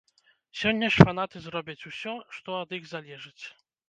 Сёння ж фанаты зробяць усё, што ад іх залежыць.